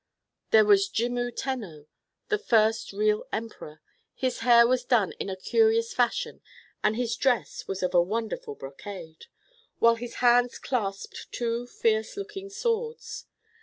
There was Jimmu Tenno, the first real emperor. His hair was done in a curious fashion and his dress was of a wonderful brocade, while his hands clasped two fierce looking swords.